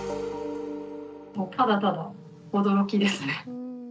もうただただ驚きですね。